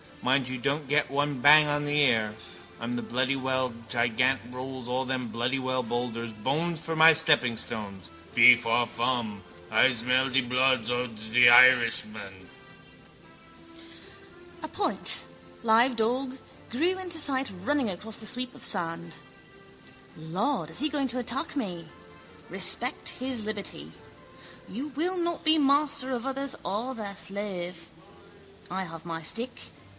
Mind you don't get one bang on the ear. I'm the bloody well gigant rolls all them bloody well boulders, bones for my steppingstones. Feefawfum. I zmellz de bloodz odz an Iridzman. A point, live dog, grew into sight running across the sweep of sand. Lord, is he going to attack me? Respect his liberty. You will not be master of others or their slave. I have my stick.